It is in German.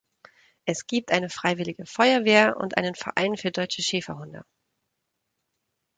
Es gibt eine Freiwillige Feuerwehr und einen Verein für Deutsche Schäferhunde.